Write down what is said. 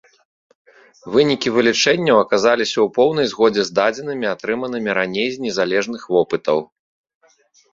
Вынікі вылічэнняў аказаліся ў поўнай згодзе з дадзенымі, атрыманымі раней з незалежных вопытаў.